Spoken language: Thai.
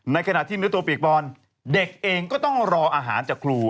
ในขณะที่เนื้อตัวเปียกบอลเด็กเองก็ต้องรออาหารจากครู